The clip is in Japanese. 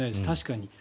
確かに。